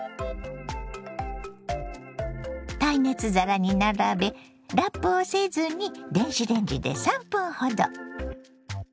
耐熱皿に並べラップをせずに電子レンジで３分ほど。